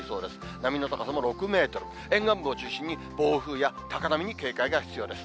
波の高さも６メートル、沿岸部を中心に、暴風や高波に警戒が必要です。